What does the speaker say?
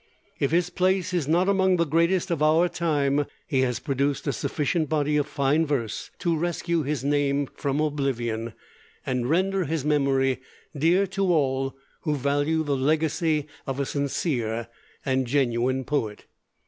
If his place is not among the greatest of our time, he has produced a sufficient body of fine verse to rescue his name from oblivion and render his memory dear to all who value the legacy of a sincere and genuine poet.